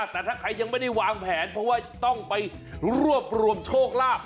แต่ถ้าใครยังไม่ได้วางแผนเพราะว่าต้องไปรวบรวมโชคลาภ